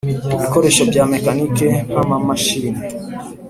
ku bikoresho bya mekanike nk amamashini